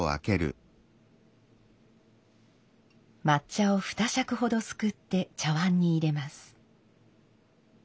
抹茶を２杓ほどすくって茶碗に入れます。